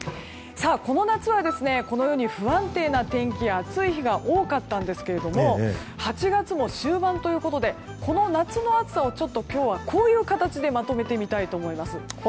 このように、この夏は不安定な天気や暑い日が多かったんですが８月も終盤ということでこの夏の暑さを今日はこういう形でまとめてみたいと思います。